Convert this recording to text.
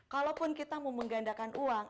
kalaupun kita mau menggandakan uang